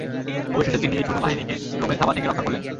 আবশেষে তিনি এই ছোট বাহিনীকে রোমের থাবা থেকে রক্ষা করলেন।